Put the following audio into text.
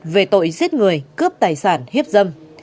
về tội giết người cướp tài sản hiếp dâm